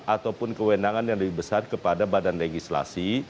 ataupun kewenangan yang lebih besar kepada badan legislasi